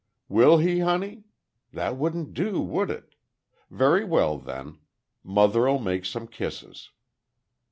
"Will he, honey? That wouldn't do, would it? ... Very well, then, mother'll make some kisses."